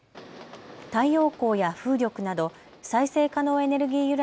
太陽光や風力など再生可能エネルギー